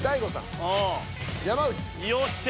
よっしゃ。